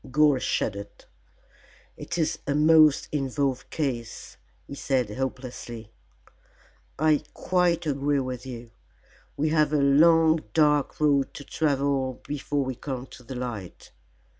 Gore shuddered. "It is a most involved case," he said hopelessly. "I quite agree with you. We have a long dark road to travel before we come to the light.